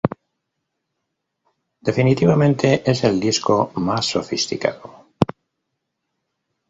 Definitivamente, es el disco más sofisticado.